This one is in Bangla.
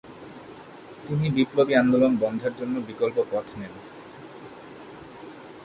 তিনি বিপ্লবী আন্দোলন বন্ধের জন্য বিকল্প পথ নেন।